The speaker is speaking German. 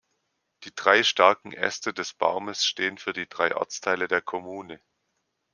Die drei starken Äste des Baumes stehen für die drei Ortsteile der Kommune.